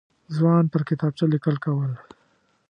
ځوان پر کتابچه لیکل کول.